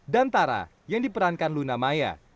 dan tara yang diperankan luna maya